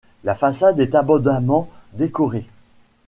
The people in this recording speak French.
La façade est abondamment décorée.